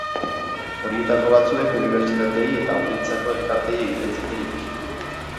Horietako batzuek unibertsitateei eta ongintzako elkarteei egiten zieten iruzur.